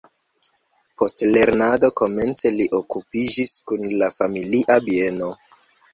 Post lernado komence li okupiĝis kun la familia bieno.